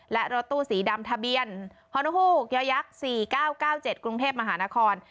และรถตู้สีดำทะเบียนฮนฮยักษ์๔๙๙๗กรุงเทพมหานคร